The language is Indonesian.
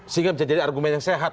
sehingga bisa jadi argumen yang sehat